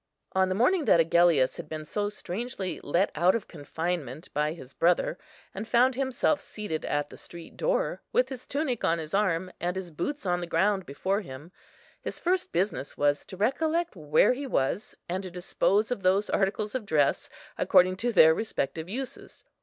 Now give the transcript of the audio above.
On the morning that Agellius had been so strangely let out of confinement by his brother, and found himself seated at the street door, with his tunic on his arm and his boots on the ground before him, his first business was to recollect where he was, and to dispose of those articles of dress according to their respective uses.